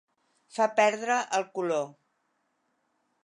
Fer perdre el color.